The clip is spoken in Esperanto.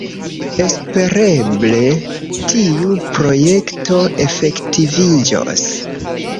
Espereble, tiu projekto efektiviĝos.